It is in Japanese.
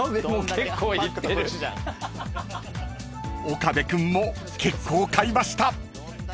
［岡部君も結構買いました］